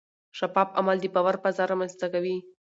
شفاف عمل د باور فضا رامنځته کوي.